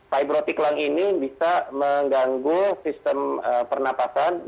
fibro tick lung ini bisa mengganggu sistem pernapasan